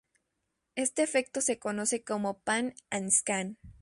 Este efecto se conoce como pan and scan.